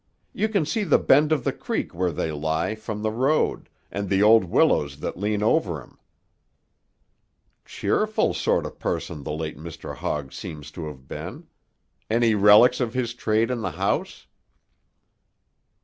You can see the bend of the creek where they lie, from the road, and the old willows that lean over 'em." "Cheerful sort of person the late Mr. Hogg seems to have been. Any relics of his trade in the house?"